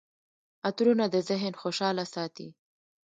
عطرونه د ذهن خوشحاله ساتي.